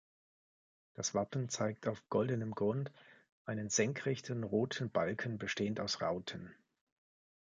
Das Wappen zeigt auf goldenem Grund einen senkrechten roten Balken bestehend aus Rauten.